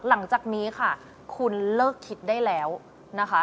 หลังจากนี้ค่ะคุณเลิกคิดได้แล้วนะคะ